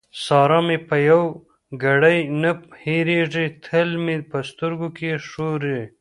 سارا مې په يوه ګړۍ نه هېرېږي؛ تل مې په سترګو کې ښوري.